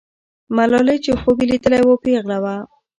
ملالۍ چې خوب یې لیدلی وو، پیغله وه.